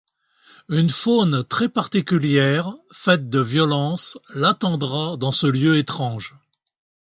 Une faune très particulière, faite de violence, l'attendra dans ce lieu étrange.